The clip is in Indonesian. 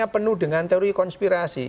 penuh dengan teori konspirasi